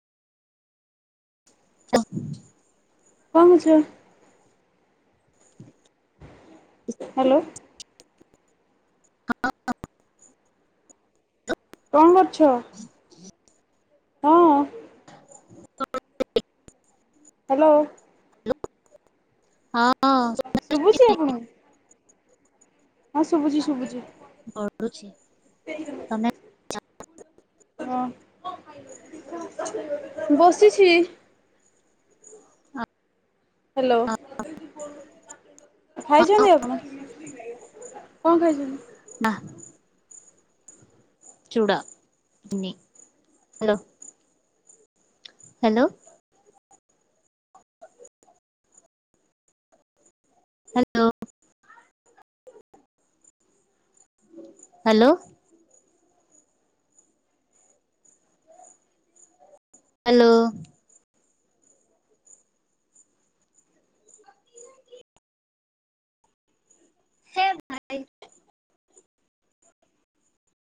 [unintelligible] କହୁଛୁ ହାଲୋ କଣ କରୁଛ? ହଁ। ହଁ [unintelligible] ହାଲୋ ହଁ ଅଁ ଶୁଭୁଛି ଆପଣଙ୍କୁ ହଁ ଶୁଭଛି ଶୁଭଛି। ପଢ଼ୁଛି ତମେ। ହଁ ବସିଛି। ହାଲୋ ଖାଇଛନ୍ତି ଆପଣ, କଣ ଖାଇଛନ୍ତି? ନା ଚୁଡ଼ା ଚିନି hello hello hello hello hello hello.